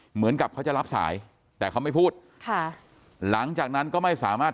เหมือนกับเขาจะรับสายแต่เขาไม่พูดค่ะหลังจากนั้นก็ไม่สามารถ